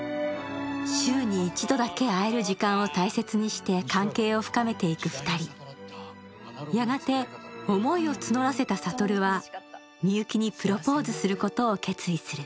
週に一度だけ会える時間を大切にして関係を深めていく２人やがて思いを募らせた悟はみゆきにプロポーズすることを決意する・